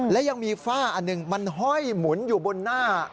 และยังมีฝ้าอันหนึ่งมันห้อยหมุนอยู่บนหน้า